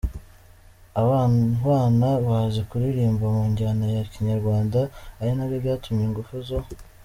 aba bana bazi kuririmba mu njyana ya Kinyarwanda ari nabyo byamuteye ingufu zo.